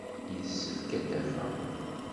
Yessefk ad d-afeɣ.